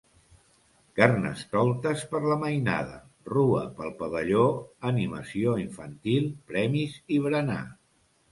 Carnestoltes per la mainada, rua pel pavelló, animació infantil, premis i berenar.